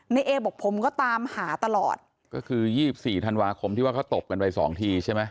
เอบอกผมก็ตามหาตลอดก็คือยี่สิบสี่ธันวาคมที่ว่าเขาตบกันไปสองทีใช่ไหม